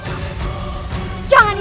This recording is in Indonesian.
aku suka sekali